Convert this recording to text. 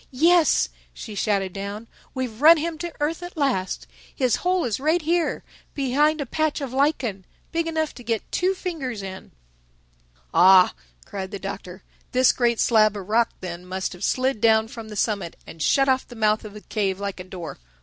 "Yes," she shouted down, "we've run him to earth at last. His hole is right here, behind a patch of lichen—big enough to get two fingers in." "Ah," cried the Doctor, "this great slab of rock then must have slid down from the summit and shut off the mouth of the cave like a door.